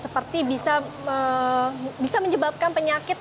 seperti bisa menyebabkan penyakit